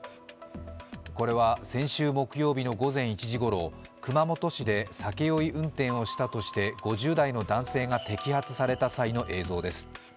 これは先週木曜日の午前１時ごろ熊本市で酒酔い運転をしたとして５０代の男性が摘発された際の映像です。